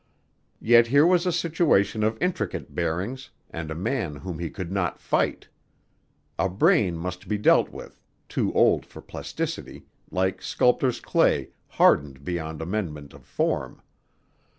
Yet here was a situation of intricate bearings and a man whom he could not fight. A brain must be dealt with, too old for plasticity, like sculptor's clay hardened beyond amendment of form.